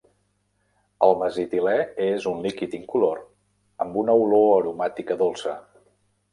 El mesitilè és un líquid incolor amb una olor aromàtica dolça.